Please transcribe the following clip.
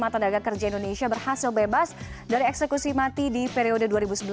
delapan puluh lima tenaga kerja indonesia berhasil bebas dari eksekusi mati di periode dua ribu sebelas dua ribu delapan belas